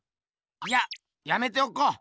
いややめておこう。